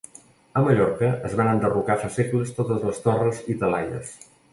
A Mallorca es van enderrocar fa segles totes les torres i talaies